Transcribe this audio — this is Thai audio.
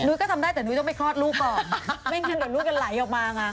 ก็ทำได้แต่นุ้ยต้องไปคลอดลูกก่อนไม่งั้นเดี๋ยวลูกจะไหลออกมาไง